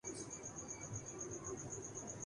مذہب طبیعیات اور مابعدالطبیعیات کو محیط ہے۔